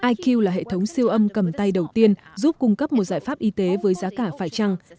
iq là hệ thống siêu âm cầm tay đầu tiên giúp cung cấp một giải pháp y tế với giá cả phải trăng